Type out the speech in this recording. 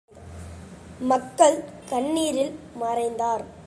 மக்கள் கண்ணீரில் மறைந்தார்.